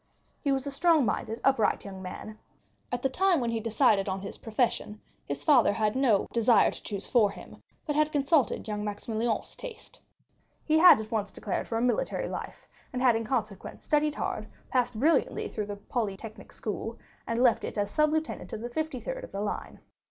He was a strong minded, upright young man. At the time when he decided on his profession his father had no desire to choose for him, but had consulted young Maximilian's taste. He had at once declared for a military life, and had in consequence studied hard, passed brilliantly through the Polytechnic School, and left it as sub lieutenant of the 53rd of the line.